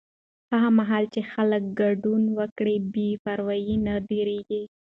هغه مهال چې خلک ګډون وکړي، بې پروایي نه ډېریږي.